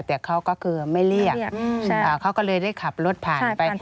แต่เขาก็คือไม่เรียกเขาก็เลยได้ขับรถผ่านไป